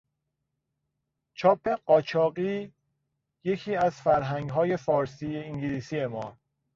چاپ قاچاقی یکی از فرهنگهای فارسی - انگلیسی ما